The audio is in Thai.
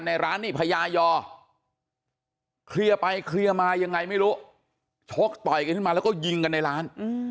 ในร้านนี่พญายอเคลียร์ไปเคลียร์มายังไงไม่รู้ชกต่อยกันขึ้นมาแล้วก็ยิงกันในร้าน